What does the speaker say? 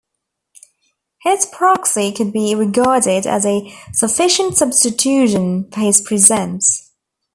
His proxy could be regarded as a sufficient substitution for his presence.